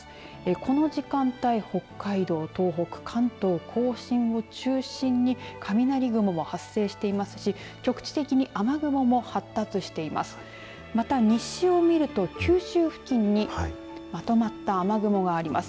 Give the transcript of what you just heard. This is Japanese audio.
この時間帯、北海道、東北関東甲信を中心に雷雲が発生していますし局地的に雨雲も発達しています。